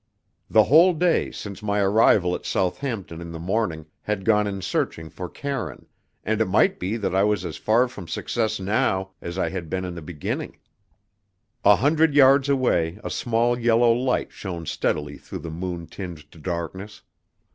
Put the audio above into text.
The whole day, since my arrival at Southampton in the morning, had gone in searching for Karine, and it might be that I was as far from success now as I had been in the beginning. A hundred yards away a small yellow light shone steadily through the moon tinged darkness.